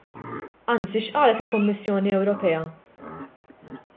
Anzi x'qalet il-Kummissjoni Ewropea?